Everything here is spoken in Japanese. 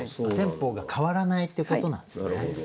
テンポが変わらないってことなんですね。